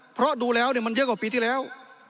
เพราะดูแล้วมันเยอะกว่าปีที่แล้ว